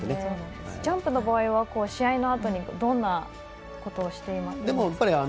ジャンプのあとは試合のあとにどんなことをしてますか。